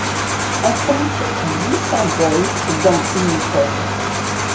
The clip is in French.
On compte dix symboles dans Unicode.